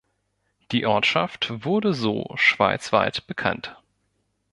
Die Ortschaft wurde so schweizweit bekannt.